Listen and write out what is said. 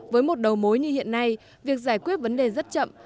với một đầu mối như hiện nay việc giải quyết vấn đề rất chậm